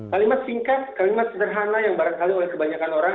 kalimat singkat kalimat sederhana yang barangkali oleh kebanyakan orang